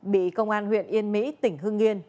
bị công an huyện yên mỹ tỉnh hương yên